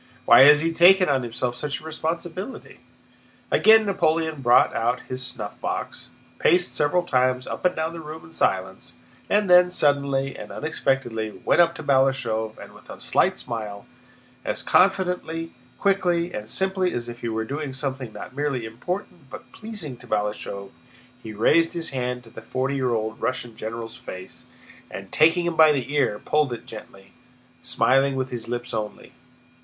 Why has he taken on himself such a responsibility?" Again Napoleon brought out his snuffbox, paced several times up and down the room in silence, and then, suddenly and unexpectedly, went up to Balashëv and with a slight smile, as confidently, quickly, and simply as if he were doing something not merely important but pleasing to Balashëv, he raised his hand to the forty year old Russian general's face and, taking him by the ear, pulled it gently, smiling with his lips only.